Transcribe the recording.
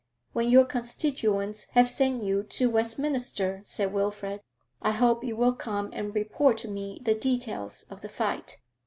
'When your constituents have sent you to Westminster,' said Wilfrid, 'I hope you will come and report to me the details of the fight?'